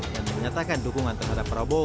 dan menyatakan dukungan terhadap prabowo